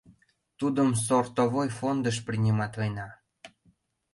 Тудым сортовой фондыш приниматлена...